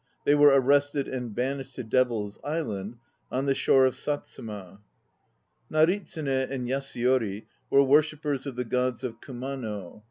They were arrested and banished to Devil's Island on the shore of Satsuma. Naritsune and Yasuyori were worshippers of the Gods of Kumano.